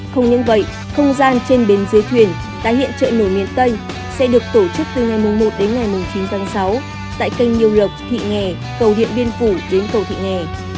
không những vậy không gian trên bến dưới thuyền tái hiện trợ nổi miền tây sẽ được tổ chức từ ngày một đến ngày chín tháng sáu tại kênh nhiêu lộc thị nghè cầu điện biên phủ đến cầu thị nghè